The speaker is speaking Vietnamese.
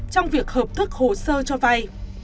trong việc hợp thức hồ sơ cho vai